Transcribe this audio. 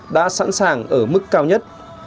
đã sẵn sàng ở mức cao nhất